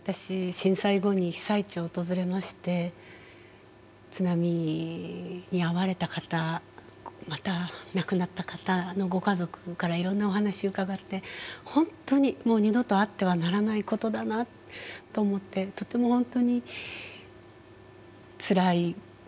震災後に被災地を訪れまして津波に遭われた方また亡くなった方のご家族からいろんなお話伺って本当にもう二度とあってはならないことだなと思ってとても本当につらい思いになりました。